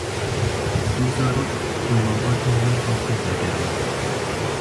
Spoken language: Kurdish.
Du zarok li malbatên wan hatin vegerandin.